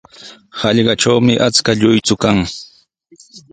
Hallqatrawmi achka lluychu kan.